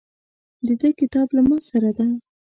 د ده کتاب له ماسره ده.